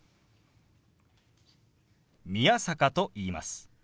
宮坂と言います。